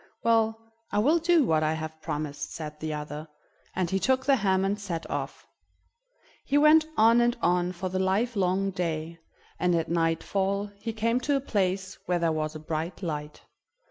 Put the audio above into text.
"Well, I will do what I have promised," said the other, and he took the ham and set off. He went on and on for the livelong day, and at nightfall he came to a place where there was a bright light.